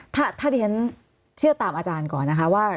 ถ้าที่ฉันเชื่อตามอาจารย์ก่อนนะคะว่า